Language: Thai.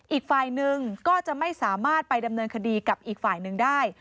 อีกฝ่ายหนึ่งก็จะไม่สามารถไปดำเนินคดีกับอีกฝ่ายหนึ่งได้